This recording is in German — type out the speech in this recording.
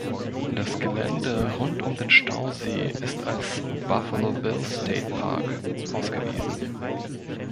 Das Gelände rund um den Stausee ist als Buffalo Bill State Park ausgewiesen.